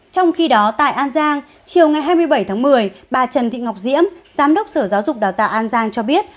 trong khi đó tại an giang chiều ngày hai mươi bảy tháng một mươi bà trần thị ngọc diễm giám đốc sở giáo dục đào tạo an giang cho biết